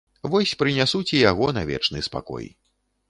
Вось прынясуць і яго на вечны спакой.